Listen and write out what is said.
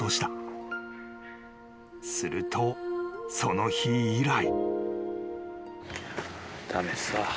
［するとその日以来］